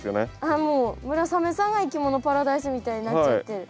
あもう村雨さんがいきものパラダイスみたいになっちゃってる。